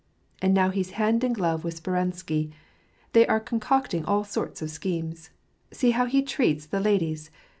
And now he's hand in glove with Speransky : thej are concocting all sorts of schemes. See how he treats the ladies!